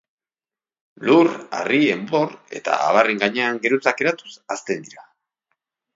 Lur, harri, enbor eta abarren gainean geruzak eratuz hazten dira.